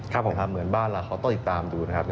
ครับผมครับเหมือนบ้านเราเขาต้องติดตามดูนะครับ